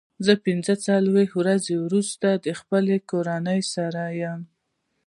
زه پنځه څلوېښت ورځې وروسته د خپلې کورنۍ سره یم.